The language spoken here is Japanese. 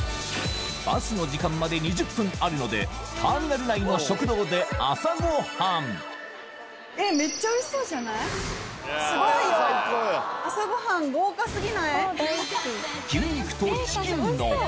バスの時間まで２０分あるのでターミナル内の食堂で朝ご飯すごいよ朝ご飯豪華過ぎない？